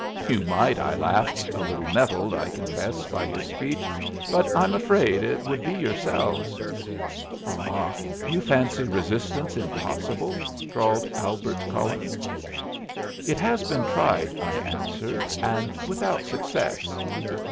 "You might," I laughed, a little nettled, I confess, by his speech, "but I'm afraid it would be yourselves." "Aw, you fancy resistance impossible?" drawled Albert Cullen. "It has been tried," I answered, "and without success.